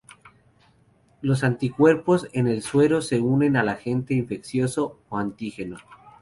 Los anticuerpos en el suero se unen al agente infeccioso o antígeno.